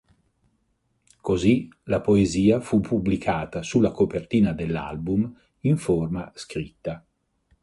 Così la poesia fu pubblicata sulla copertina dell'album in forma scritta.